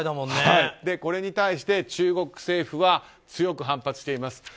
これに対して中国政府は強く反発しています。